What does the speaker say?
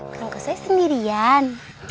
kang kusoy sendirian